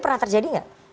pernah terjadi enggak